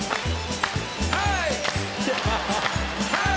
はい！